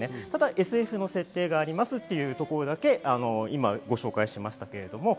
ＳＦの設定がありますというところだけご紹介しました。